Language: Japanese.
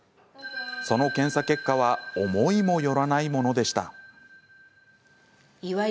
その検査結果は思いもよらないものでした。